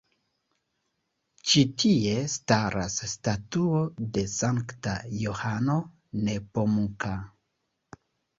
Ĉi tie staras statuo de Sankta Johano Nepomuka.